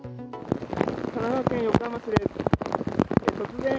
神奈川県横浜市です。